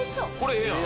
ええやん！